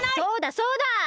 そうだそうだ！